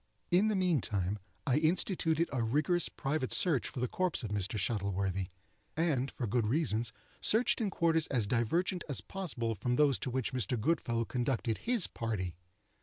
In the meantime, I instituted a rigorous private search for the corpse of Mr. Shuttleworthy, and, for good reasons, searched in quarters as divergent as possible from those to which Mr. Goodfellow conducted his party.